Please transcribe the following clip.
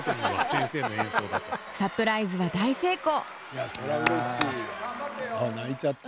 サプライズは大成功！